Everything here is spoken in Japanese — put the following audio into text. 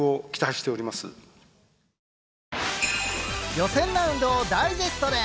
予選ラウンドをダイジェストで。